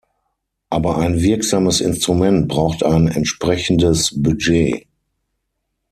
Aber ein wirksames Instrument braucht ein entsprechendes Budget.